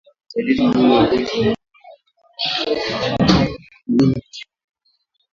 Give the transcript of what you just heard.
Dalili muhimu ya ugonjwa wa miguu na midomo ni mnyama kutokwa malengelenge